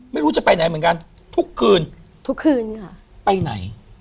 ไม่รู้จะไปไหนเหมือนกันทุกคืนไปไหน